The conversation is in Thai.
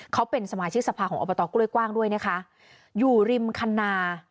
เขาเป็นสมาชิกสภาของอบตกล้วยกว้างด้วยนะคะอยู่ริมคันนา